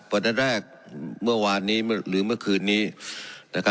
วันแรกเมื่อวานนี้หรือเมื่อคืนนี้นะครับ